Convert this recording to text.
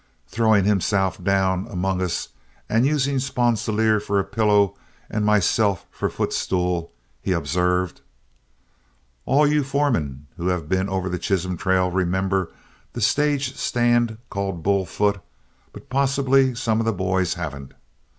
Throwing himself down among us, and using Sponsilier for a pillow and myself for footstool, he observed: "All you foremen who have been over the Chisholm Trail remember the stage stand called Bull Foot, but possibly some of the boys haven't.